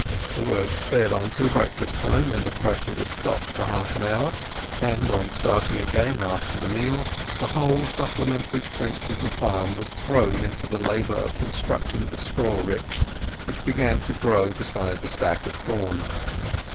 The work sped on till breakfast time, when the thresher was stopped for half an hour; and on starting again after the meal the whole supplementary strength of the farm was thrown into the labour of constructing the straw rick, which began to grow beside the stack of corn.